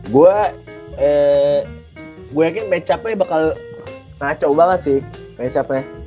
gue yakin mecapnya bakal naco banget sih mecapnya